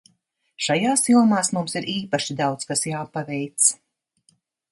Šajās jomās mums ir īpaši daudz kas jāpaveic.